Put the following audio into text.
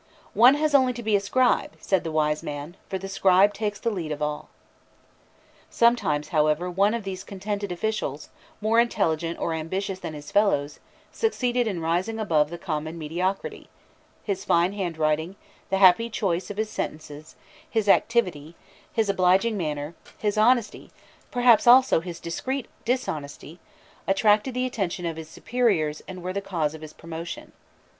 "One has only to be a scribe," said the wise man, "for the scribe takes the lead of all." Sometimes, however, one of these contented officials, more intelligent or ambitious than his fellows, succeeded in rising above the common mediocrity: his fine handwriting, the happy choice of his sentences, his activity, his obliging manner, his honesty perhaps also his discreet dishonesty attracted the attention of his superiors and were the cause of his promotion.